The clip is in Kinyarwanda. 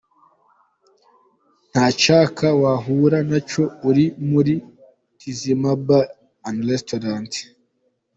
Nta cyaka wahura nacyo uri muri Tizama Bar and Restaurant.